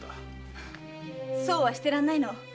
そうはしてらんないの。